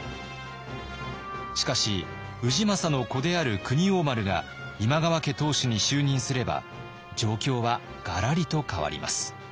しかし氏政の子である国王丸が今川家当主に就任すれば状況はがらりと変わります。